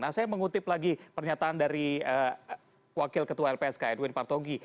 nah saya mengutip lagi pernyataan dari wakil ketua lpsk edwin partogi